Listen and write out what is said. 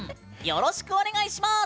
よろしくお願いします。